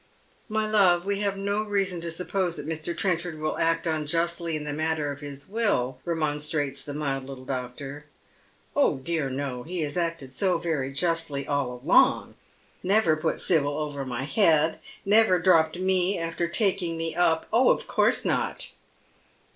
" My love, we have no reason to suppose that Mr. Trenchard will act unjustly in the matter of his will," remonstrates the mild little doctor. " Oh dear no, he has acted so very justly all along ; never put Sibyl over my head, never dropped me after taking me up. Oh, of course not